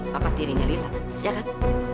bapak dirinya lelah ya kan